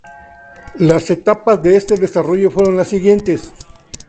Las etapas de este desarrollo fueron las siguientes.